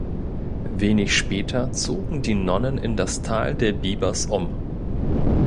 Wenig später zogen die Nonnen in das Tal der Bibers um.